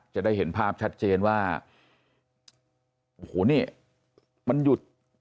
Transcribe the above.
จะได้เห็นภาพชัดเจนว่าโอ้โหนี่มันหยุด